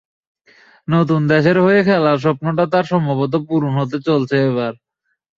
নতুন দেশের হয়ে খেলার স্বপ্নটা তাঁর সম্ভবত পূরণ হতে চলেছে এবার।